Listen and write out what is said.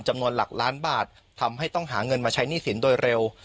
จำนวนหลักล้านบาททำให้ต้องหาเงินมาใช้หนี้สินโดยเร็ว